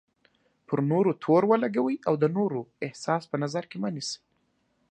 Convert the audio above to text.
پر نورو تور ولګوئ او د نورو احساس په نظر کې مه نیسئ.